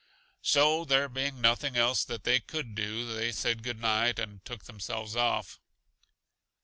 So, there being nothing else that they could do, they said good night and took themselves off.